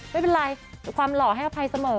ไม่เป็นไรความหล่อให้อภัยเสมอ